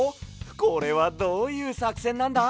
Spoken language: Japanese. これはどういうさくせんなんだ？